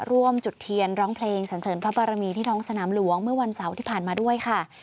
จุดเทียนร้องเพลงสันเสริญพระบารมีที่ท้องสนามหลวงเมื่อวันเสาร์ที่ผ่านมาด้วยค่ะ